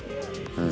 うん。